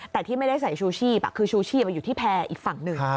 แต่ที่ไม่ได้ใส่ชูชีพคือชูชีพอยู่ที่แพร่อีกฝั่งหนึ่ง